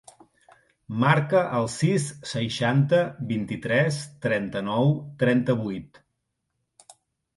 Marca el sis, seixanta, vint-i-tres, trenta-nou, trenta-vuit.